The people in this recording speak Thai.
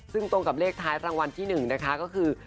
ซึ่งตรงกับเลขท้ายรางวัลที่๑นะคะก็คือ